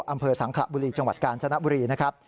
อำเภอสังขระบุรีจังหวัดกาญจนบุรีนะครับ